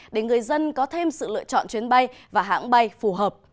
để người dân có thêm sự lựa chọn chuyến bay và hãng bay phù hợp